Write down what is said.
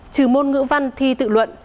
trừ môn ngữ văn thi tự luận